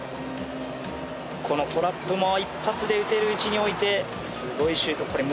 このトラップも一発で打てる位置に置いてすごいシュートプレー。